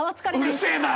うるせえな。